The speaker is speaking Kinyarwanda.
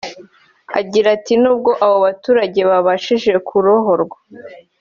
Agira ati “Nubwo abo baturage babashije kurohorwa